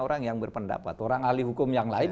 orang yang berpendapat orang ahli hukum yang lain